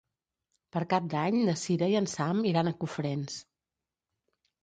Per Cap d'Any na Cira i en Sam iran a Cofrents.